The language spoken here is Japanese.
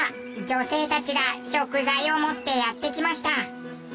女性たちが食材を持ってやって来ました。